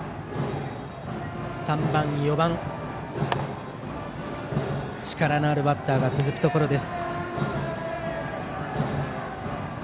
３番、４番力のあるバッターが続くところ。